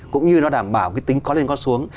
cũng như nó đảm bảo cái tính có lên có xuống